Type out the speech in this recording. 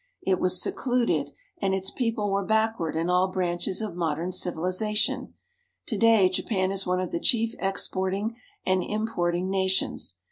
It was secluded, and its people were backward in all branches of modern civilization. To day Japan is one of the chief exporting and importing nations.